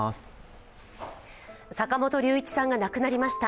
坂本龍一さんが亡くなりました。